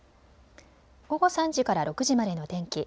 午後３時から６時までの天気。